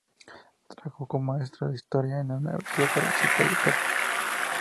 Trabajó como maestra de historia en una universidad para chicas de Tartu.